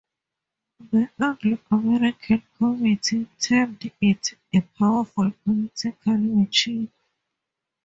The Anglo American committee termed it a powerful political machine.